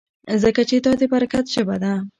ځکه چې دا د برکت ژبه ده.